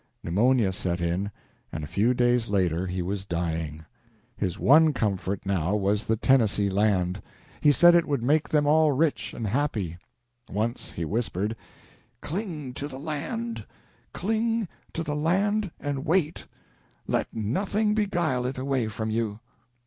Pneumonia set in, and a few days later he was dying. His one comfort now was the Tennessee land. He said it would make them all rich and happy. Once he whispered: "Cling to the land; cling to the land and wait. Let nothing beguile it away from you."